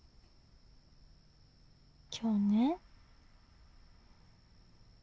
今日ね。